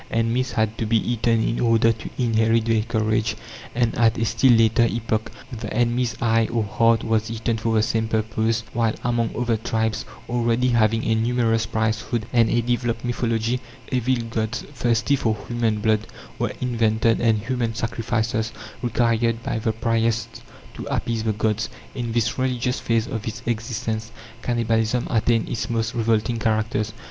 Enemies had to be eaten in order to inherit their courage; and, at a still later epoch, the enemy's eye or heart was eaten for the same purpose; while among other tribes, already having a numerous priesthood and a developed mythology, evil gods, thirsty for human blood, were invented, and human sacrifices required by the priests to appease the gods. In this religious phase of its existence, cannibalism attained its most revolting characters.